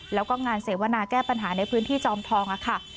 แล้วก็งานเสวนาแก้ปัญหาในพื้นที่จอมทองค่ะ